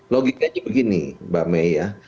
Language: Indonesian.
logikanya begini mbak may ya